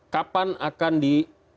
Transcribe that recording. kapan akan di